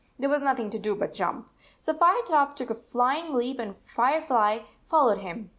There was nothing to do but jump. So Firetop took a flying leap, and Firefly followed him.